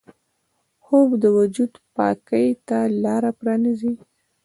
خوب د وجود پاکۍ ته لاره پرانیزي